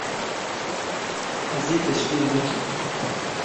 Ez ê te ji bîr nekim.